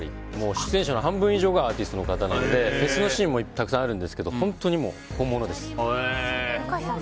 出演者の半分以上がアーティストの方なのでフェスのシーンもたくさんあるんですけど向井さん